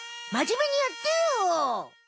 まじめにやってよ。